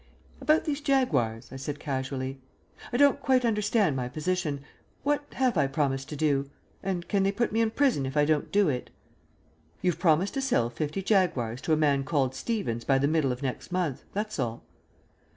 "About these Jaguars," I said casually. "I don't quite understand my position. What have I promised to do? And can they put me in prison if I don't do it?" "You've promised to sell fifty Jaguars to a man called Stevens by the middle of next month. That's all."